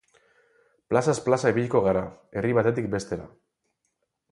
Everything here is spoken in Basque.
Plazaz plaza ibiliko gara, herri batetik bestera.